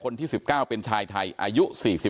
คนที่๑๙เป็นชายไทยอายุ๔๖